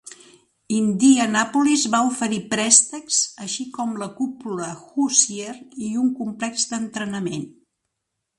Indianapolis va oferir préstecs, així com la cúpula Hoosier i un complex d'entrenament.